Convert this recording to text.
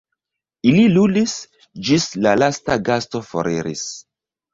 Ili ludis, ĝis la lasta gasto foriris.